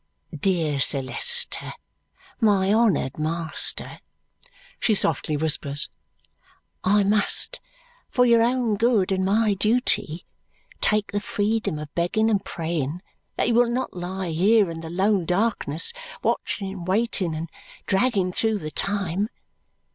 "Dear Sir Leicester, my honoured master," she softly whispers, "I must, for your own good, and my duty, take the freedom of begging and praying that you will not lie here in the lone darkness watching and waiting and dragging through the time.